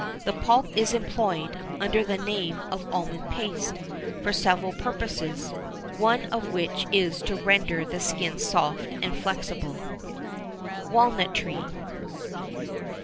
The pulp is employed, under the name of almond paste, for several purposes, one of which is to render the skin soft and flexible.[XIV 9] WALNUT TREE.